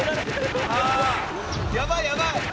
やばいやばい。